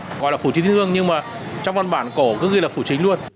nó gọi là phủ chính tiên ương nhưng mà trong văn bản cổ cứ ghi là phủ chính